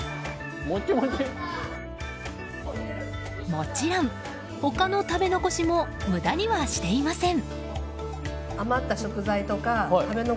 もちろん、他の食べ残しも無駄にはしていません。